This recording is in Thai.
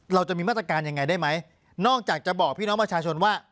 เราจะมีมาตรการยังไงได้ไหมนอกจากจะบอกพี่น้องประชาชนว่า